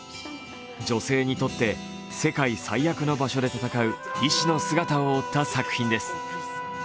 女性にとって世界最悪の場所で戦う医師の姿を追った作品です。